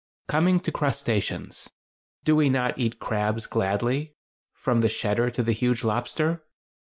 Coming to crustaceans—do we not eat crabs gladly, from the "shedder" to the huge lobster?